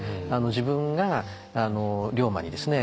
自分が龍馬にですね